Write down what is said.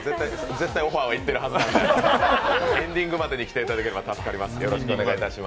絶対オファーはいっているはずなのでエンディングまでに来ていただければ助かります。